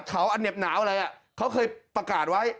เขาอันเห็บหนาวอะไรอ่ะเขาเคยประกาศไว้